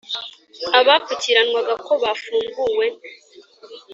abapfukiranwaga ko bafunguwe,